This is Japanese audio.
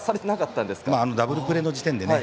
ダブルプレーの時点でね。